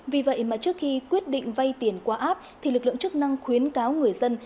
vì vậy mà trước khi quyết định vay tiền qua app thì lực lượng chức năng khuyến cáo người dân